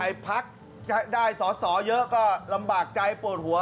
พักได้สอสอเยอะก็ลำบากใจปวดหัว